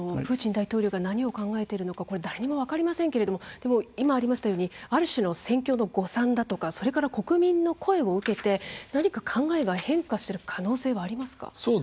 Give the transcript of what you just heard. プーチン大統領が何を考えているのかこれ誰にも分かりませんけれども今ありましたようにある種の戦況の誤算だとかそれから国民の声を受けて何か考えが変化する可能性はありますか？